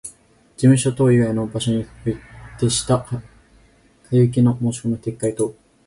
事務所等以外の場所においてした買受けの申込みの撤回等